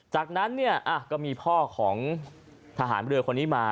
จากนั้นเนี่ยก็มีพ่อของทหารเรือคนนี้มา